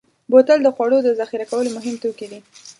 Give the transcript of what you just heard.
بوتل د خوړو د ذخیره کولو مهم توکی دی.